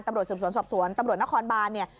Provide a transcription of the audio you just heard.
ตำรวจสวนสวนตำรวจนครบานเนี่ย